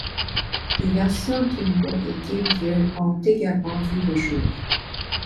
Des versions Game Boy et Game Gear ont également vu le jour.